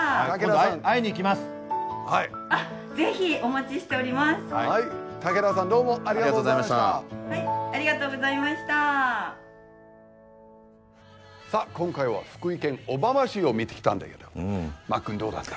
さあ今回は福井県小浜市を見てきたんだけどマックンどうだった？